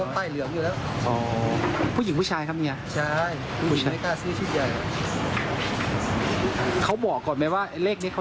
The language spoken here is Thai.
อ๋อไปโดนทะเบียนรถเข้าเลยคือ